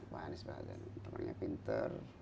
pak anies baswedan temannya pinter